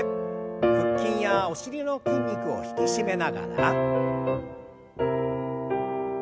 腹筋やお尻の筋肉を引き締めながら。